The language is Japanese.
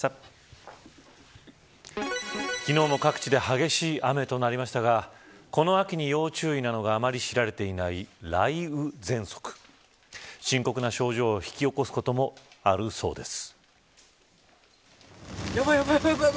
昨日も各地で激しい雨となりましたがこの秋に要注意なのがあまり知られていない雷雨ぜんそく深刻な症状を引き起こすこともあるそうです。